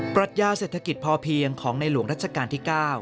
รัชญาเศรษฐกิจพอเพียงของในหลวงรัชกาลที่๙